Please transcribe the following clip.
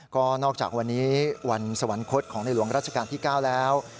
ก็นอกจากวันนี้วันสวรรคตของในหลวงราชการที่๙แล้ว